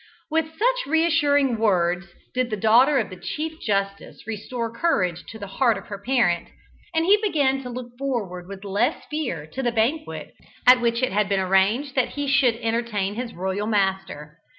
With such reassuring words did the daughter of the Chief Justice restore courage to the heart of her parent, and he began to look forward with less fear to the banquet at which it had been arranged that he should entertain his royal master.